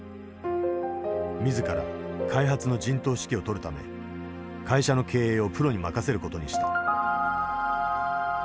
自ら開発の陣頭指揮を執るため会社の経営をプロに任せる事にした。